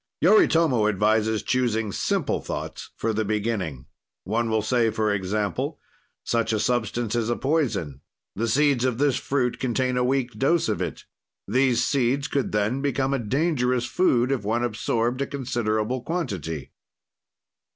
Yoritomo advises choosing simple thoughts for the beginning. "One will say, for example: "Such a substance is a poison; the seeds of this fruit contain a weak dose of it; these seeds could then become a dangerous food, if one absorbed a considerable quantity.